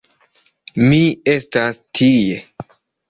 Mi estas tie!